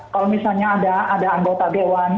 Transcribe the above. kalau misalnya ada anggota dewan